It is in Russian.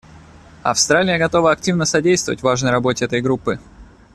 Австралия готова активно содействовать важной работе этой группы.